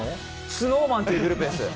ＳｎｏｗＭａｎというグループです。